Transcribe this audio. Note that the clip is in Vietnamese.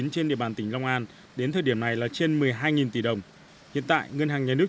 trên địa bàn tỉnh long an đến thời điểm này là trên một mươi hai tỷ đồng hiện tại ngân hàng nhà nước